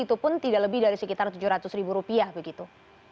itu pun tidak lebih dari sekitar tujuh ratus ribu rupiah begitu